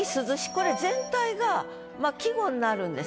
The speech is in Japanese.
これ全体が季語になるんです。